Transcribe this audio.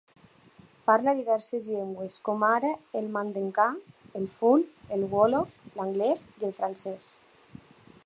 Parla diverses llengües, com ara el mandenkà, el ful, el wòlof, l'anglès i el francès.